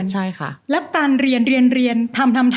ใช่ค่ะ